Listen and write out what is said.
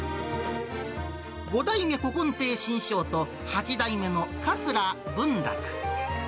５代目古今亭志ん生と８代目の桂文楽。